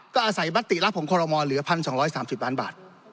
ก็อาศัยมติรับของคอรมอลเหลือ๑๒๓๐ล้านบาท